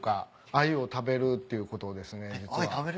藍を食べるっていうことをですね実は。